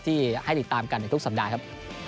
ที่ให้ติดตามกันในทุกสัปดาห์ครับ